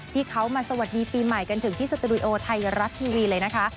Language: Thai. ที่เขามาสวัสดีปีใหม่กันถึงที่สตูดิโอไทยรัฐทีวีเลยนะคะ